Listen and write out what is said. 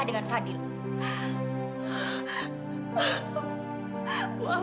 setelah bayi lahir